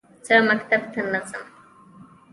زه مکتب ته نه ځم